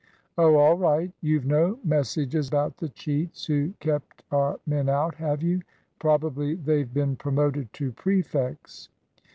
"Oh, all right. You've no message about the cheats who kept our men out, have you? Probably they've been promoted to prefects!"